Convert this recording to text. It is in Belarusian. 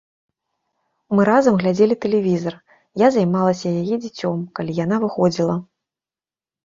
Мы разам глядзелі тэлевізар, я займалася яе дзіцем, калі яна выходзіла.